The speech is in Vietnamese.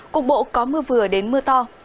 cục bộ có mưa vừa đến mưa to